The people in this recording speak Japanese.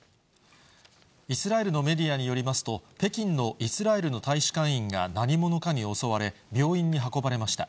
イスラエルのメディアによりますと、北京のイスラエルの大使館員が、何者かに襲われ、病院に運ばれました。